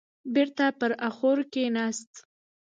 بېرته پر اخور کيناست.